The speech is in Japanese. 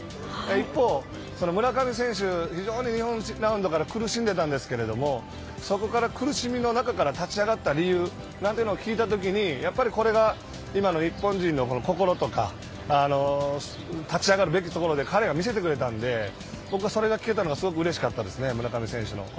一方、村上選手、非常に日本ラウンドから苦しんでいたんですけどそこから苦しみの中から立ち上がった理由聞いたときに、これが今の日本人の心とか立ち上がるべきところで彼が見せてくれたんでそれが聞けたのがすごくうれしかったです。